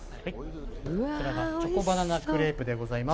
こちらがチョコバナナクレープでございます。